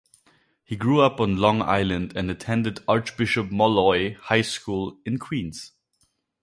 He grew up on Long Island and attended Archbishop Molloy High School in Queens.